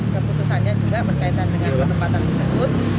keputusannya juga berkaitan dengan penempatan tersebut